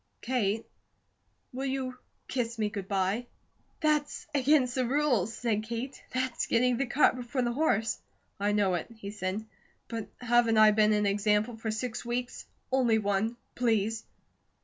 Kate, will you kiss me good bye?" "That's against the rules," said Kate. "That's getting the cart before the horse." "I know it," he said. "But haven't I been an example for six weeks? Only one. Please?"